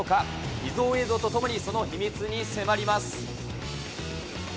秘蔵映像とともにその秘密に迫ります。